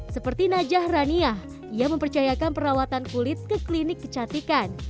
seperti najah raniah ia mempercayakan perawatan kulit ke klinik kecantikan